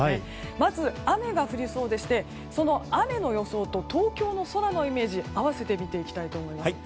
まず雨が降りそうでしてその雨の予想と東京の空のイメージを合わせて見ていきたいと思います。